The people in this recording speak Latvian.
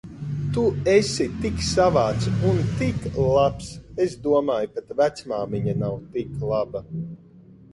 Tu esi tik savāds un tik labs. Es domāju, pat vecmāmiņa nav tik laba.